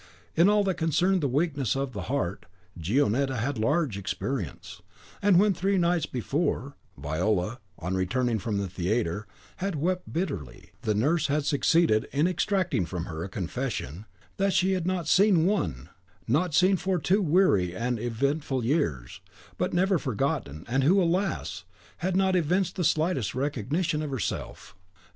In all that concerned the weaknesses of the heart, Gionetta had large experience; and when, three nights before, Viola, on returning from the theatre, had wept bitterly, the nurse had succeeded in extracting from her a confession that she had seen one, not seen for two weary and eventful years, but never forgotten, and who, alas! had not evinced the slightest recognition of herself.